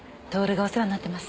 享がお世話になってます。